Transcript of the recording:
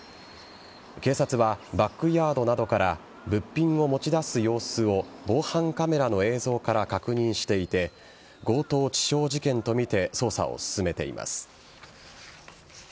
警察はバックヤードなどから物品を持ち出す様子を防犯カメラの映像から確認していて強盗致傷事件とみて捜査を進めています。